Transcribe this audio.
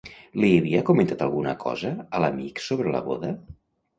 Li havia comentat alguna cosa a l'amic sobre la boda?